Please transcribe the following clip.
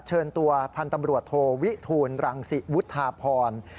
เชิญตัวพันธ์ตำรวจโทวิทูลรังศิวุฒาพร